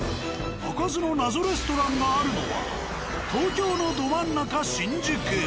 開かずの謎レストランがあるのは東京のど真ん中新宿。